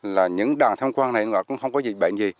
các đoàn tham quan này cũng không có dịch bệnh gì